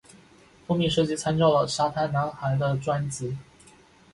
封面设计参照了海滩男孩的专辑。